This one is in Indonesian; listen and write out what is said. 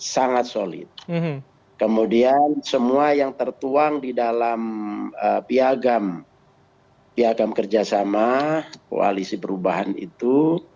sangat solid kemudian semua yang tertuang di dalam piagam piagam kerjasama koalisi perubahan itu